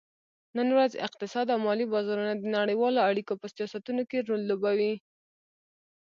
نن ورځ اقتصاد او مالي بازارونه د نړیوالو اړیکو په سیاستونو کې رول لوبوي